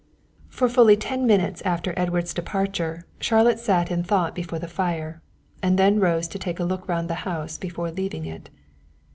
For fully ten minutes after Edward's departure Charlotte sat in thought before the fire, and then rose to take a look round the house before leaving it.